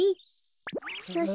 そして。